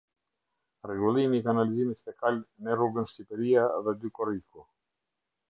Rregullimi i kanalizimit fekal ne rrugen Shqiperia dhe dy Korriku